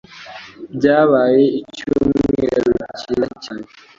Byabaye icyumweru cyiza cyane